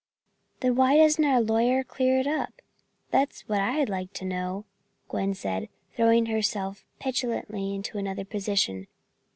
"Then why doesn't our lawyer clear it up? That's what I'd like to know," Gwen said, throwing herself petulantly into another position.